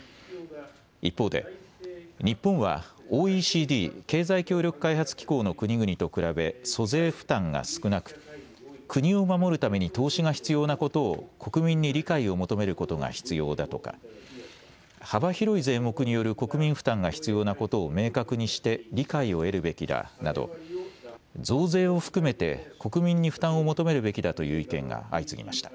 一方で日本はＯＥＣＤ・経済協力開発機構の国々と比べ租税負担が少なく国を守るために投資が必要なことを国民に理解を求めることが必要だとか、幅広い税目による国民負担が必要なことを明確にして理解を得るべきだなど増税を含めて国民に負担を求めるべきだという意見が相次ぎました。